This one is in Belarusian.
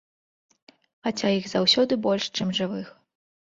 Хаця іх заўсёды больш, чым жывых.